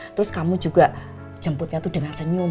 terus kamu juga jemputnya itu dengan senyum